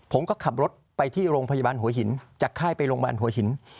ผมก็ขับรถไปที่โรงพยาบาลหัวหินจากค่ายไปโรงพยาบาลหัวหิน